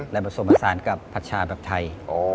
และผสมผสานกับผัดชาแบบไทย